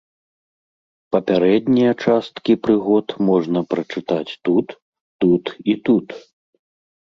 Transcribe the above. Папярэднія часткі прыгод можна прачытаць тут, тут і тут.